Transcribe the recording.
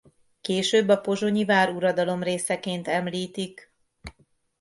Később a pozsonyi váruradalom részeként említik.